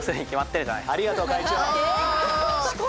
ありがとう会長！